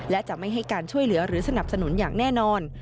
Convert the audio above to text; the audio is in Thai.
และจะไม่ให้การช่วยเหลือหรือสนับสนุนอย่างแน่นอน